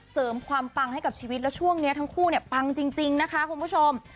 เสริมความปังให้กับชีวิตแล้วช่วงนี้ทั้งคู่เนี่ยปังจริงนะคะคุณผู้ชม